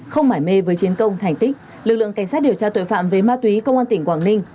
không mải mê với chiến công thành tích lực lượng cảnh sát điều tra tội phạm về ma túy công an tỉnh quảng ninh